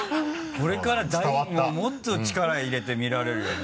これからもっと力入れて見られるよね。